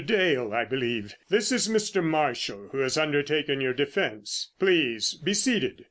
Dale, I believe! This is Mr. Marshall, who has undertaken your defence. Please be seated!"